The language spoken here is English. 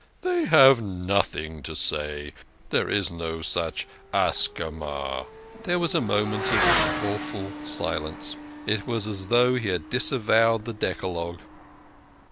"They have nothing to say. There is no such Ascama" There was a moment of awful silence. It was as though he had disavowed the Decalogue.